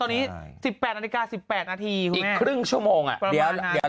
แม่ส่งเลยนะคะ